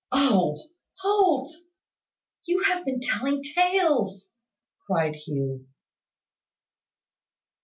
"O! Holt! You have been telling tales!" cried Hugh.